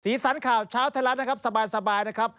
ศีล์สรรค่าวเช้าไทยรัดนะครับสบาย